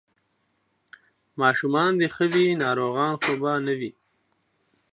ماشومان دې ښه دي، ناروغان خو به نه وي؟